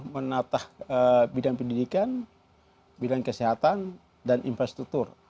menatah bidang pendidikan bidang kesehatan dan infrastruktur